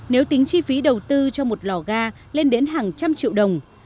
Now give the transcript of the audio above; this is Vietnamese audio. nếu tính chi phí đầu tư cho một lò ga lên đến hàng trăm triệu đồng